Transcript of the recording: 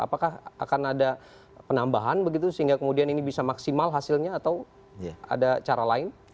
apakah akan ada penambahan begitu sehingga kemudian ini bisa maksimal hasilnya atau ada cara lain